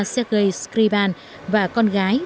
sergei scriban và con gái